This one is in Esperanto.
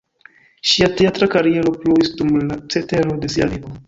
Ŝia teatra kariero pluis dum la cetero de sia vivo.